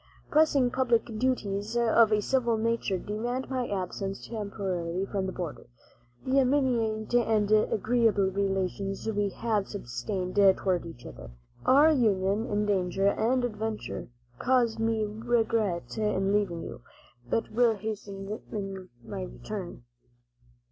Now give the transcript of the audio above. "Pressing public duties of a civil nature demand my absence temporarily from the border. The intimate and agreeable relations we have sustained toward each other, our union in danger and adventure, cause me regret in leaving you, but will hasten my return.